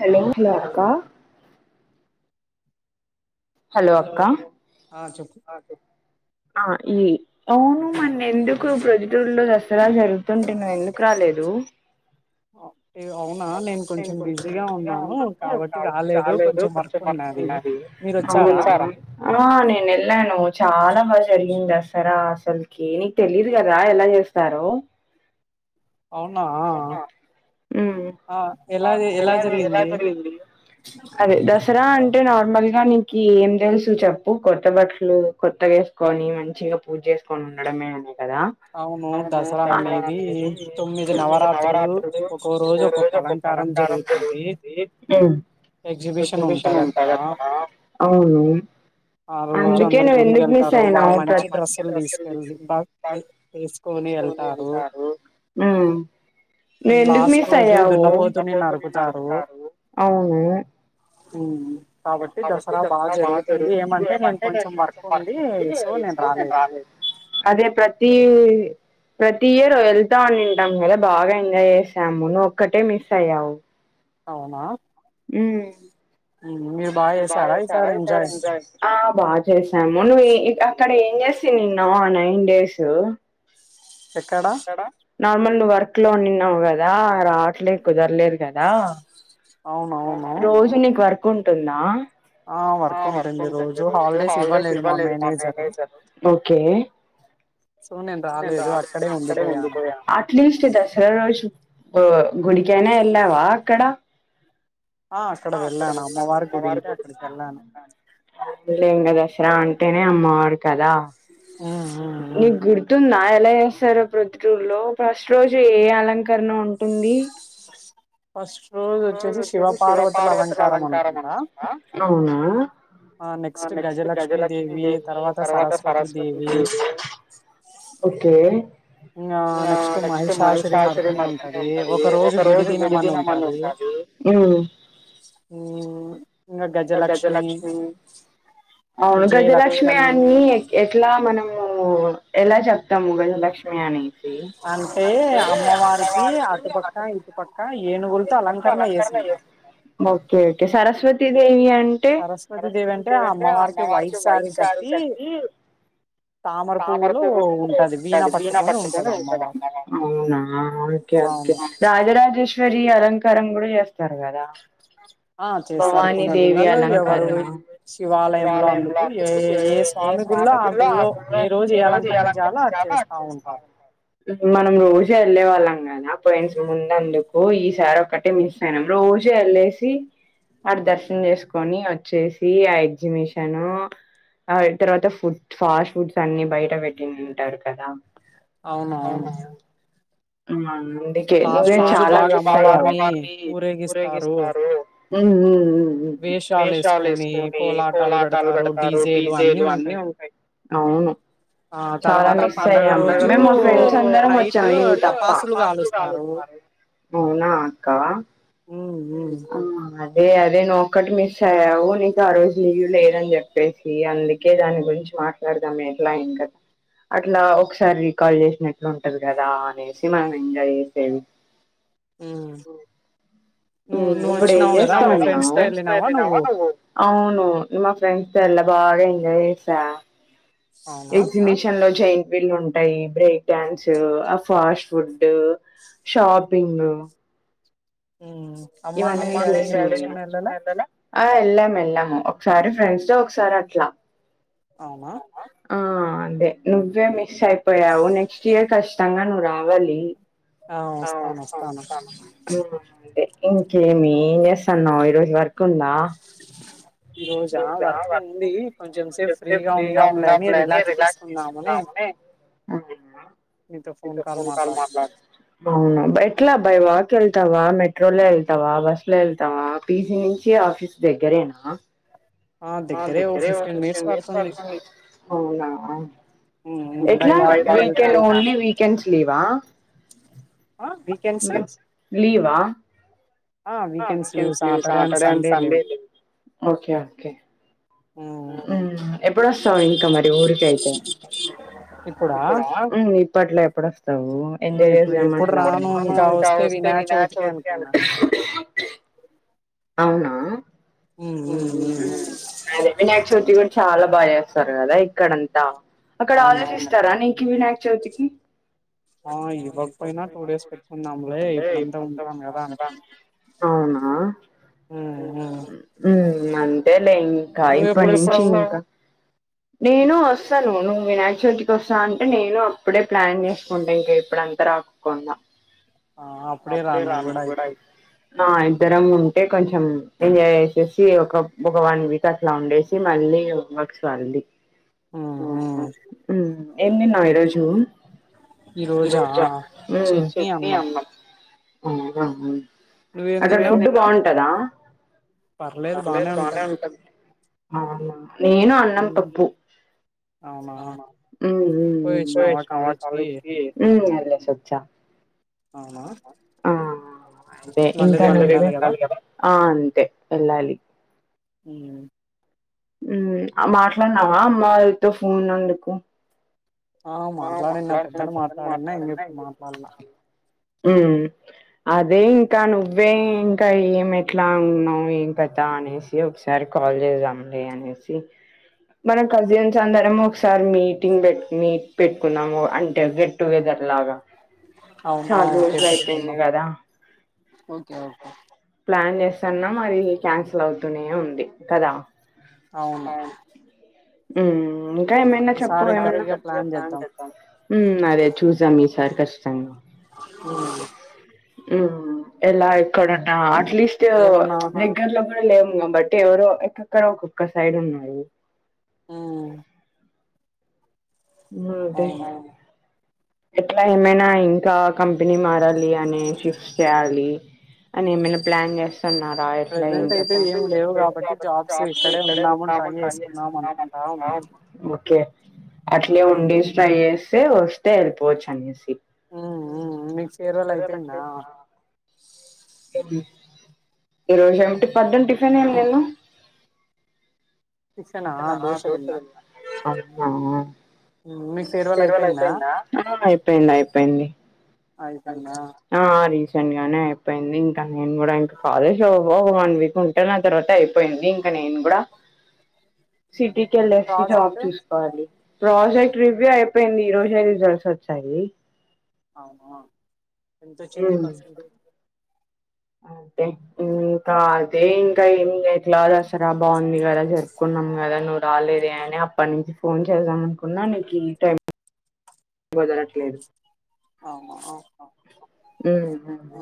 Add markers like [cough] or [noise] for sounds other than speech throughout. Hello hello అక్క hello అక్కా ఆ చెప్ ఆ ఈ అవును మొన్న ఎందుకు ప్రొద్దుటూరులో దసరా జరుగుతుంటే నువు ఎందుకు రాలేదు అవును అంటే కొంచెం బిజీగా ఉన్నాను కాబట్టి రాలేదు కొంచెం వర్క్ ఉండది అవును వెళ్ల వచ్చావా ఆ నేను ఎళ్ళాను చాలా బాగా జరిగి ఎం దసరా అసలకి నీకు తెలీదు కదా ఎలా చేస్తారో అవునా ఉ అ ఎలాగే ఎలా జరిగింది అదే దసరా అంటే నార్మల్ ఆ నీకేం తెలుసు చెప్పు కొత్త బట్టలు కొత్త వేసుకొని మంచిగా పూజ చేసుకొని ఉండడమే అనే అవును దసరా అనేది తొమ్మిది తొమ్మిది నవరాత్రులు ఒకో రోజు ఒక్కొక అలంకారం జరుగుతుంది ఉ ఎగ్జిబిషన్ ఉంటది అక్కడ అవును అందుకే నువేందుకు మిస్ అయినవ్ ప్ర మంచి డ్రస్సులు తీసుకేళ్ళి ఎస్కొని యెల్తారు ఉ నువు ఎందుకు మిస్ అయవు దున్నపోతుని నరుకుతారు అవును కాబట్టి దసర బా జరుగుతుంది ఏమంటే నేను కొంచెం వర్క్ ఉండి సో నేను రాలేదు అదే ప్రతి తి ప్రతి ఇయర్ వెళ్తా ఉండిటాం కదా బాగా ఎంజాయ్ చేసాము నువ్వు ఒక్కటే మిస్ అయ్యావు అవునా అ మీ అప్ ఇగ బాగా చేసారా ఈసారి ఎంజాయ్ ఆ బాగా చేసాము నువ్వు ఏ అట్ల అడ ఏం చేసిన్నావ్ నైన్ డేస్ ఎక్కడ నార్మల్ నువ్వు వర్క్ లో నిన్నావు కదా, రావట్లేదు కుదరలేదు కదా. [inaudible] అవునవును కుంటున్నా వర్క్ంటుంది రోజు హాలిడేస్ ఇవ్వలేదు. మా మేనేజర్ ఒకే రాలేదు అక్కడేండిపోయా అట్లేస్ట్ దసరా రోజు ఉ గుడికనేే యాళ్లవ అక్కడ అక్కడ వెళ్ళాను అమ్మవారి గుడికనే, వెళ్ళాము కదా ర అంటేనే అమ్మవారి కదా నీకు గుర్తున్నాయ అలా చేస్తారు. ప్రొద్దుటూర్లో ఫస్ట్ రోజు ఏ అలంకరణ ఉంటుంది. ఫస్ట్ రోజు వచ్చేసి శివ పార్వతుల అలంకారం అనుకుంటా. ఆ నెక్స్ట్ గజలక్ష్మీ దేవి తర్వాత సరస్వతిదేవి దేవి ఓకే [unintelligible] ఆ లక్ష్మీ మహిసశురామార్థిని మతనే ఉంటది. ఒక రోజు విడిదినమని ఉంటది. గజలక్ష్మి అవును గజలక్ష్మి అన్ని మనము ఎలా చెప్తాము గజలక్ష్మి అని అంటే అమ్మవారికి అటుపక్క, ఇటుపక్క ఏనుగులతో అలంకరణేసింది బడు సరస్వతి దేవి అంటే సరస్వతి దేవి అంటే ఆ అమ్మవారికి వైట్ సారీ కట్టి. తామర పూవు ఉంటది. వీనా పట్టుకుని ఉంటది అవునా ఒకే ఒకే రాజరాజ ఈశ్వరియలంకారం కూడా చేస్తారు. ఆ చేస్తారు కొన్ని గుళ్ళలు ఎవరు శివాలయంలో అందుకు ఏ ఏ స్వామి గుళ్ళ ళో ఏ రోజు ఏ అలంకరణ చేలో అది చేస్తా ఉంటారు. మనం రోజే వెళ్ళే వాళ్ళం కదా ఫయిండ్స్ ముందందుకు ఈసారి ఒకటే మిస్ అయినాం. రోజు వెళ్ళేసి వాడ దర్శనం చేసుకొని వచ్చేసి ఆ ఎగ్జిబిషన్ ఆ తర్వాత ఫుడ్ ఫాస్ట్ ఫుడ్స్ అన్ని బయట పెట్టింటారు కదా. అవునవును అ అందుకే నువ్వే చాలా బా అమ వారిని ఊరేగిస్తారు. ఉ హు వేషాలు వేసుకొని కోలాటలు పెడతారు. డీజేలు అన్ని ఉంటాయి. అవును చాలా మిస్ అయ మే మా ఫ్రెండ్స్ అందరం వచ్చాము ఇ తప్ప అవునా అక్క ఉం అదే ఎ అదే నువ్వు ఒక్కటి మిస్ అయ్యావు నీకు ఆ రోజు లీవ్ లేదని చెప్పేసి అందుకే దాని గురించి మాట్లాడదాం ఎట్లా ఇం కదా అట్లా ఒకసారి రీికల్ చేసినట్లు ఉంటది కదా అనేసి మనం ఎంజాయ్ చేసేవి అ ఉం ఇప్పుడు ఎం చేస్తా ఉన్నావ్ అవును నిమ ఫ్రెండ్స్ ద ఎలా బాగా ఎంజాయ్ చేసా ఎక్జిబిషన్ లో జయి వీళ్ళు ఉంటాయి బ్రేక్ డడాన్స్ ఆ ఫాస్ట్ ఫుడ్ షాపింగ్ ఇవన్నీ చేసాం అ ఎల్లం వెళ్ళాము ఒకసారి ఫ్రెండ్స్ తో ఒకసారి అట్లా అవునా ఆ అదే నువ్వే మిస్ అయిపోయావు నెక్స్ట్ ఇయర్ కష్ట తంగా నువ్వు రావాలి ఆ వస్తాను వస్తాను అంతే ఇంకేమీ ఎం చేస్తున్నావు ఈ రోజు వర కుందా ఈ రోజా వర్క్ ఉంది కొంచెం సేపు ఫ్రీగా ఉన్నాం లేని రిలాక్స్ తీసుకున్నాామని ఆ ఎట్లా బై వాక్ వెల్తవ మెట్రోల్ వెల్ తావా బస్లో ఎల్ తావ పిజీ నుంచి ఆఫీస్ దగ్గరేనా దగ్గరనాఓలీ లీవా వీకెండ్స్ లీవా ఓకే ఓకే ఎప్పుడొస్తా ఇంకా మరి ఊరిక అైతే ఇపట్లే ఎప్పుడు వస్తావ్ ఎంజాయ్ చేసాం అట్ల అవునా ఉమ్ మ్ ఉమ్ అదే వినాయక చవితి గు చాలా బాగ చేస్తారు గదా ఇక్కడంతా అక్కడ ఆలోచిస్తారని కి వినాయక్ చవితి కి ఆ ఇవ్వక్పోయినా టూ డేస్ పెట్టుకుందాంలే ఇప్పుడంతా ఉంటాం కదా అని అవునా హుమ్ ఉమ్ హుమ్ అంతేలే ఇంకా ఇప్పటినుంచి ఇంకా నేను వస్తాను నువ్వు వినాయక్ చవితికోస్తా అంటే, నేను అప్పుడే ప్లాన్ చేస్కుంటా ఇంకా ఇప్పుడంతా రాకోకుండా ఆ అప్పుడే రా నువ్ గూడా అయితే ఆ ఇద్దరం ఉంటే కొంచెం ఎంజాయ్ జేసేసి ఒక ఒక వన్ వీక్ అట్లా ఉండేసి మళ్ళీ వర్క్స్ వల ది ఉమ్ హు ఊను ఏమ్ తిన్నావ్ ఈరోజు ఈ రోజ్జా ఉమ్ చెట్నీ అన్నం ఆ అహ్ మ్ అక్కడ ఫుడ్ బావుంటదా పర్లేదు బానే ఉంటది అవునా నేను అన్నం పప్పు అవునా హుమ్ హుమ్ పోయ్ వచ్చినవా కాలేజీకి ఉమ్ వెళ్ళేసోచ్చా అవునా అ అవ్ ఏ ఇంకా మళ్ళీ రేపు వెళ్ళాలి గదా ఆ అంతే వెళ్ళాలి ఉమ్ ఉమ్ మాట్లాడినవా అమ్మవాళ్లతో ఫోన్ నందుకు ఆ మాట్లాడిన పొద్దున మాట్లాడిన ఇంగిప్పుడు మాట్లాడ్ ల ఉమ్ అదే ఇంకా నువ్వే ఇంకా ఏం ఎట్లా ఉన్నావ్. ఏం కథ అనేసి ఒకసారి కాల్ చేద్దాంలే అనేసి, మన కజిన్స్ అందరం ఒకసారి మీటింగ్ పెట్కొని. పెట్టుకున్నాము అంటే గెట్టూగెదర్ లాగా అవున్ ఆ ఒకే పెట్టుకుందామ్ ఒకే ఒకే స్తానా మరి క్యాన్సలవుతూనే ఉంది కదా అవును ఉమ్ ఇంకా ఏమైనా చెప్పు ఏమన్నా ప్లాన్ చేద్దాం హుమ్ అదే చూద్దాం ఈ ఈ సారి ఖచ్చితంగా ఆ ఉ ఎలా ఇక్కడన్నా లీస్ట్ లేము కాబట్టి ఎవరో ఎక్కక్కడ ఒక్కొక్క సైడ్ ఉన్నారు హ్మ్ మడి ఎట్లా ఏమైనా ఇంకా కంపెనీ మారాలి అని షిఫ్ట్ చేయాలి అని ఏమైనా ప్లాన్ చేస్ న్నారా ఎట్ల ఓకే అట్లే ఉండేస్ ట్రై చేస్ స వస్తే ఎల్పోవచ్చనేసి హ్మ్ హ్మ్ మీకు ఫేర్వల్ అయిపేయిందా ఈరోజు ఏమిటి పద్దున టిఫిన్ ఏం తిన్నావ్ అవునా అయిపేయింది అయిపెయ్ పెంది ఆ గానే అయిపోయింది ఇంకా నేను కూడా ఇంకా కాలేజ్ ఒక వన్ వీక్ ఉంటే నా తర్వాత అయిపోయింది ఇంకా నేను కూడా సిటీకి ఎల్లేసి జాబ్ చూసుకోవాలి ప్రాజెక్ రివ్యూ అయిపోయింది ఈ రోజె రిజల్ట్స్ వచ్చాయి అవునా ఎంతొచ్చింది పర్సంటేజ్ అదే ఇంకా అదే ఇంకా ఏమిట్లా బాగుంది కదా జరుపుకున్నాం కదా ను రాలేదే అని అప్పటి నుంచి ఫోన్ చేసాం అనుకున్నా నీకు ఈ టై వదలట్లేదు అవుమా ఔ హ్మ్ హ్మ్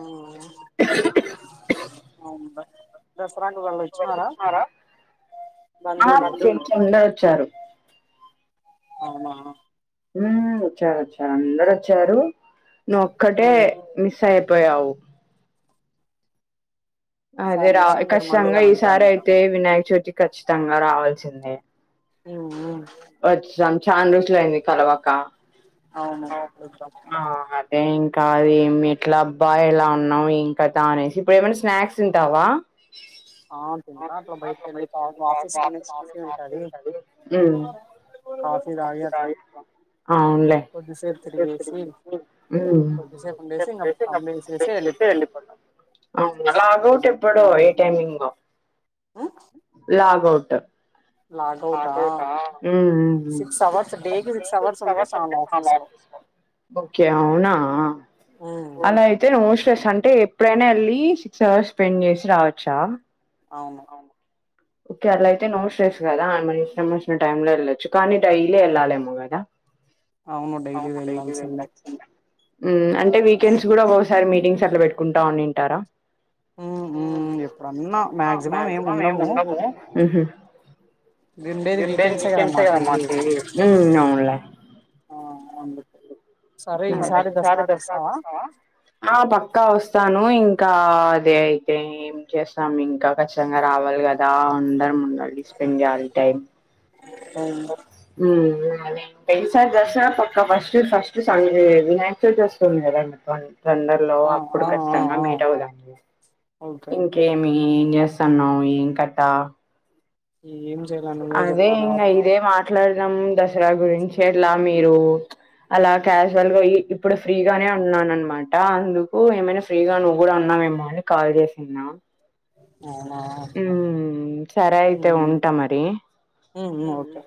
దస్ [unintelligible] ముందే వచ్చారు అవునా హ్మ్ వచ్చారు వచ్చారు అందరు వచ్చారు నువ్వొక్కటే మిస్ పోయావు అదే రా ఖచ్చితంగా ఈసారి అయితే వినాయక చోతికి ఖచ్చితంగా రావాలి చిన్నె హ్మ్ చాన రోజులు అయింది కలవక అవును కాదు ఏం ఎట్లా అబ్బా ఎలా ఉన్నావ్ ఏం కథ అనేసి ఇప్పుడు ఏమైనా స్నాక్స్ తింటావా ఆ తింట అట్లా బయటకెళ్ళి కా ఆఫీస్ లోనే కాఫీ ఉంటది ఊ అవునులే కొద్దిసేపు తిరిగేసి హుం ఇళ్ళిపోతా అవునులే ఎలాగూ ఎప్పుడు ఏ టైంకి ఇంగ లాగౌట్ ట్ లాగౌట్ ఆ మ్ హు డేలీ సిక్స్ అవర్స్ ఉంటే చాలు ఆఫీస్ లో ఓకే అవునా అలా అయితే ఓవర్ష్ స్ అంటే ఎప్పుడైనా వెల్లి సిక్స్ అవర్స్ స్పెండ్ చేసి రావచ్చా అవును ఓకే అలా అయితే నో స్ట్రెస్ కదా మనమిస్టమొచ్చిన టైంలో వెళ్ళొచ్చు కానీ డైలీ వెళ్ళాలేమో కదా అవును డైలీ వెళ్లాల్సిందే ఊ అంటే వీకెండ్స్ కూడా సార్ మీటింగ్స్ అట్లా పెట్టుకుంటా ఉండింటారా ఊహు ఎప్పుడన్నా మ్యా మాక్సిమం ఏం ఉండము ఉహూ [unintelligible] వీకెండ్సే ఏ కదా మాకి ఊ అవునులే ఈసారి దసరాకొస్తవా ఆ పక్కా వస్తాను ఇంకా అదే అయితే ఏం చేస్తాం ఇంకా కచ్చితంగా రావాలి కదా అందరం ఉన్ మళ్ళీ స్పెండ్ చెయ్యాలి టైమ్ హు నేను పెన్సారి దసరా పక్క ఫస్ట్ ఫస్ట్ వినాయకచెవితి వస్తుంది కద మ తొందరలో అప్పుడు ఖచ్చితంగా మీటవుదాము ఇంకేమి ఏం చేస్ స్థాన్నావ్ ఏమ్ కతా ఏం అదే ఇంగా ఇదే మా మాట్లాడనం దసరా గురించి అట్లా మీరు అలా క్యాజువల్గా ఇప్పుడు ఫ్రీగానే ఉన్నాను అన్నమాట అందుకు ఏమైనా ఫ్రీగా నువ్వు కూడా ఉన్నావేమో అని కాల్ చేసిన్నా అవునా హు ఓకే